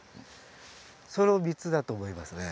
その３つだと思いますね。